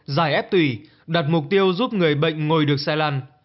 giải ép tùy đặt mục tiêu giúp người bệnh ngồi được xe lăn